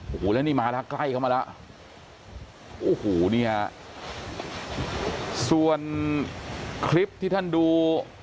โอ้โหแล้วนี่มาแล้วใกล้เข้ามาแล้วโอ้โหเนี่ยส่วนคลิปที่ท่านดู